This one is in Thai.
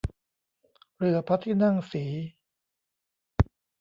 เรือพระที่นั่งศรี